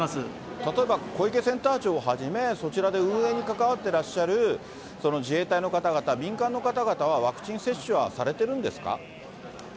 例えば、小池センター長をはじめ、そちらで運営に関わってらっしゃる自衛隊の方々、民間の方々は、ワクチン接種はされてるんですか？